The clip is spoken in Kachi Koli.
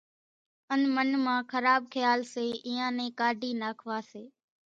ان من مان خراٻ کيال سي اينيان نين ڪاڍي ناکوا سي